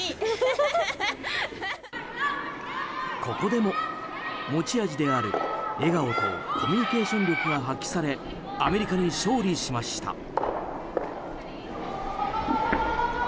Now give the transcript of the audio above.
ここでも、持ち味である笑顔とコミュニケーション力が発揮されアメリカに勝利しました。